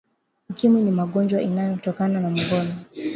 Ukimwi ni magonjwa inayo tokana na ngono